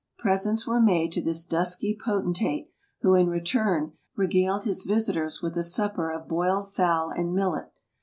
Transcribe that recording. Presents were made to this dusky potentate, who, in return, regaled his visitors with a supper of boiled fowl and millet.